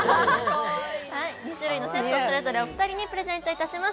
２種類をそれぞれお二人にプレゼントします。